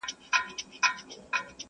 په زړه سخت په خوى ظالم لکه شداد وو!!